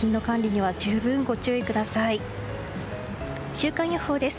週間予報です。